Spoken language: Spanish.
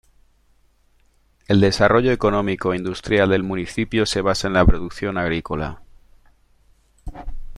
El desarrollo económico industrial del municipio se basa en la producción agrícola.